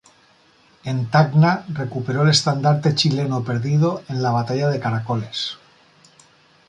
En Tacna, recuperó el estandarte chileno perdido en la batalla de Caracoles.